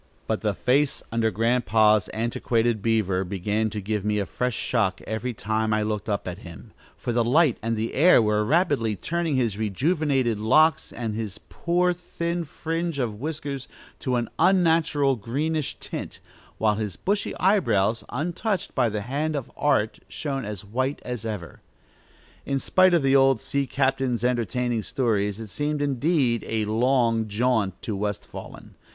But the face under Grandpa's antiquated beaver began to give me a fresh shock every time I looked up at him, for the light and the air were rapidly turning his rejuvenated locks and his poor, thin fringe of whiskers to an unnatural greenish tint, while his bushy eyebrows, untouched by the hand of art, shone as white as ever. In spite of the old sea captain's entertaining stories, it seemed, indeed, "a long jaunt" to West Wallen.